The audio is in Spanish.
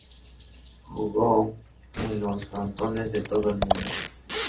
Jugó en los frontones de todo el mundo.